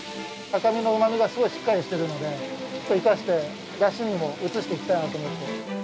赤身のうま味がすごいしっかりしているので生かして出汁にも移していきたいなと思って。